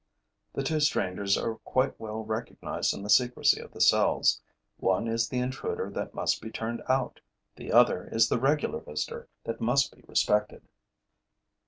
The two strangers are quite well recognized in the secrecy of the cells: one is the intruder that must be turned out; the other is the regular visitor that must be respected.